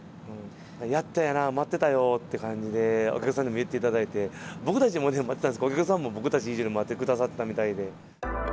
やっとやな、待ってたよって感じで、お客さんにも言っていただいて、僕たちもね、待ってたんですが、お客さんも僕たち以上に待ってくださってたみたいで。